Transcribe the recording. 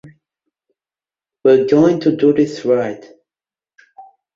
We're going to do this right.